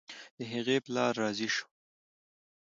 د هغې پلار راضي شو.